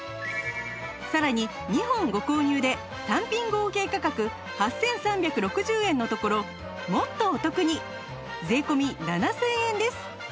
さらに２本ご購入で単品合計価格８３６０円のところもっとお得に税込７０００円です